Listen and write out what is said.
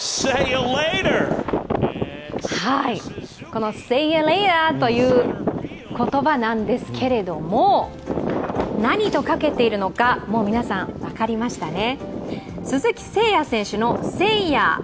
このセイヤーレイヤーという言葉なんですけれども何とかけているのか、もう皆さん分かりましたね。